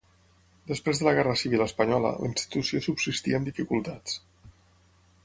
Després de la Guerra Civil Espanyola, la institució subsistí amb dificultats.